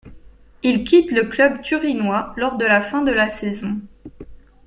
Il quitte le club turinois lors de la fin de la saison.